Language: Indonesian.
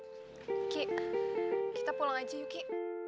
aduh ki kita pulang aja yuk ki